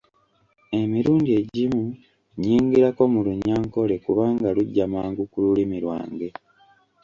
Emirundi egimu nnyingirako mu Runyankore kubanga lujja mangu ku lulimi lwange.